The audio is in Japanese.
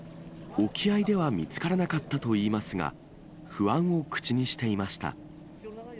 沖合では見つからなかったといいますが、不安を口にしていました。